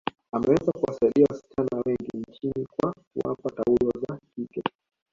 ameweza kuwasaidia wasichana wengi nchini kwa kuwapa taulo za kike